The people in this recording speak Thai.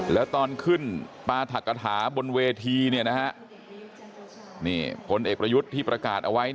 แล้วตอนขึ้นปราธกฐาบนเวทีนี่พลเอกประยุทธ์ที่ประกาศเอาไว้